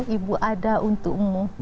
ibu ada untukmu